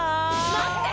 待って！